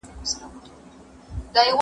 کډوال روغتیایي خدماتو ته اړتیا لري.